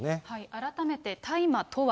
改めて大麻とは。